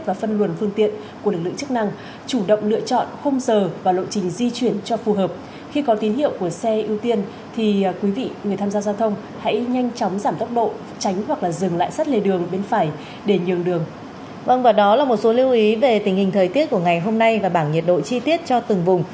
vâng và đó là một số lưu ý về tình hình thời tiết của ngày hôm nay và bảng nhiệt độ chi tiết cho từng vùng